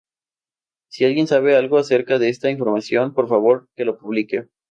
Si alguien sabe algo acerca de esta información por favor que lo publique.